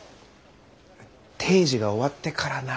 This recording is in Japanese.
定時が終わってからなら。